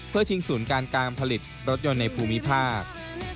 เพื่อชิงศูนย์การการผลิตรถยนต์ในภูมิภาค